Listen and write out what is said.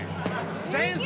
先生